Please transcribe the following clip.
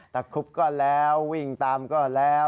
คุบก็แล้ววิ่งตามก็แล้ว